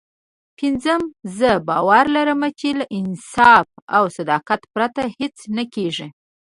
پينځم زه باور لرم چې له انصاف او صداقت پرته هېڅ نه کېږي.